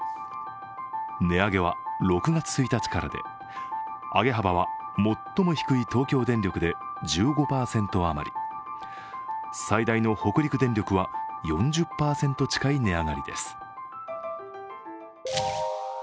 値上げは６月１日からで、上げ幅は最も低い東京電力で１５％余り、最大の北陸電力は４０％近い値上がりです。